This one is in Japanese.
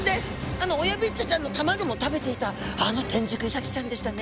あのオヤビッチャちゃんの卵も食べていたあのテンジクイサキちゃんでしたね。